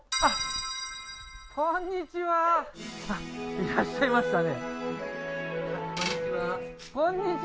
いらっしゃいましたね